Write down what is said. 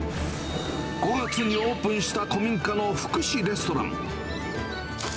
５月にオープンした古民家の福祉レストラン。